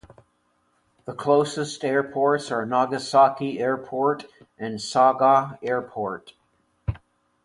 The closest airports are Nagasaki Airport and Saga Airport.